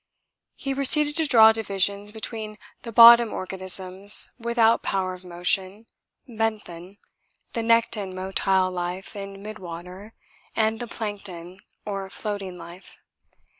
He proceeded to draw divisions between the bottom organisms without power of motion, benthon, the nekton motile life in mid water, and the plankton or floating life.